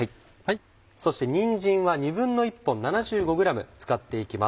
そしてにんじんは１／２本７５ｇ使っていきます。